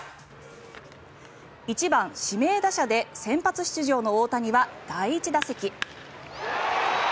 １番指名打者で先発出場の大谷は第１打席。